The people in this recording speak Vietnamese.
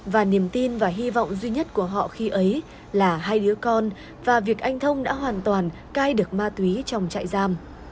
và niềm tin và hy vọng duy nhất của họ khi ấy là hai đứa con và việc anh thông đã hoàn toàn cai được ma túy trong trại giam